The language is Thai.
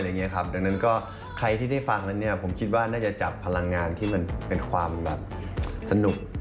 ดังนั้นใครที่ได้ฟังกันน่านี่คิดว่าน่าจะจับพลังงานที่มันเป็นความสนุก